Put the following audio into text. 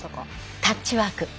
タッチワーク。